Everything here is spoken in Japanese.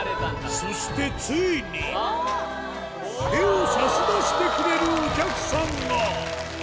そしてついに手を差し出してくれるお客さんが